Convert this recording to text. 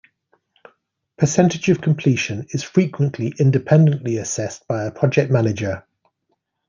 Percentage-of-completion is frequently independently assessed by a project manager.